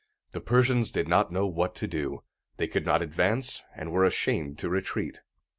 The Persians did not know what to do. They could not advance, and were ashamed to retreat.